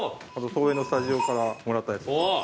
東映のスタジオからもらったやつ。